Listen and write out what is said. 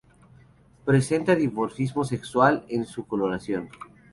Presenta dimorfismo sexual en su coloración.